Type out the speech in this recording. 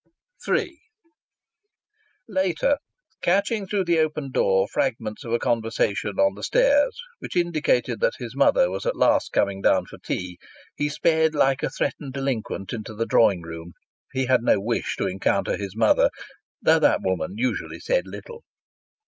III Later, catching through the open door fragments of a conversation on the stairs which indicated that his mother was at last coming down for tea, he sped like a threatened delinquent into the drawing room. He had no wish to encounter his mother, though that woman usually said little.